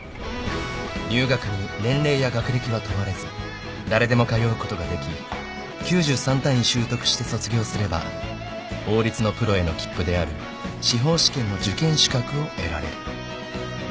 ［入学に年齢や学歴は問われず誰でも通うことができ９３単位修得して卒業すれば法律のプロへの切符である司法試験の受験資格を得られる］